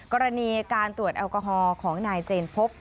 กรณีการตรวจแอลกอฮอลของนายเจนพบ